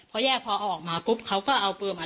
พอแยกพอเอาออกมาปุ๊บเขาก็เอาปืนมา